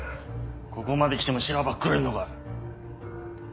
ここまできてもしらばっくれんのか。